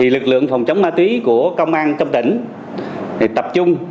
lực lượng phòng chống ma túy của công an cấp tỉnh tập trung